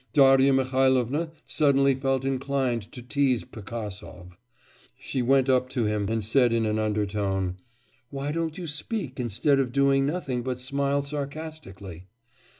Darya Mihailovna suddenly felt inclined to tease Pigasov. She went up to him and said in an undertone, 'Why don't you speak instead of doing nothing but smile sarcastically?